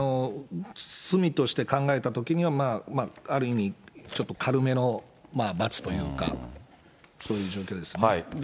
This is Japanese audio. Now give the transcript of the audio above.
罪として考えたときには、ある意味ちょっと軽めの罰というか、そういう状況ですね。